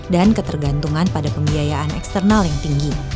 dan ketergantungan pada pembiayaan eksternal yang tinggi